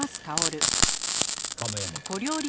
亀山くん。